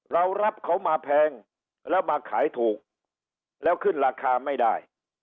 เรารับเขามาแพงแล้วมาขายถูกแล้วขึ้นราคาไม่ได้